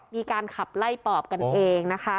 มีการขับไล่ปอบกันเองนะคะ